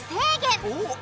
おっ！